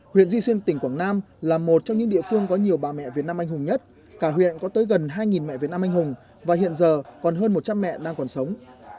huyện duy xuyên tỉnh quảng nam là một trong những địa phương có nhiều bà mẹ việt nam anh hùng nhất cả huyện có tới gần hai mẹ việt nam anh hùng và hiện giờ còn hơn một trăm linh mẹ đang còn sống